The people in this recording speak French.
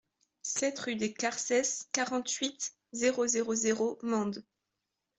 sept rue des Carces, quarante-huit, zéro zéro zéro, Mende